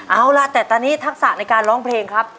เอาล่ะแต่ตอนนี้ทักษะในการร้องเพลงครับ